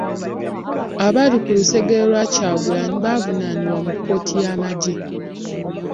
Abaali ku lusegere lwa Kyagulanyi bavunaanibwa mu kkooti y'amagye.